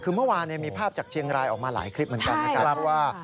คือเมื่อวานมีภาพจากเชียงรายออกมาหลายคลิปเหมือนกัน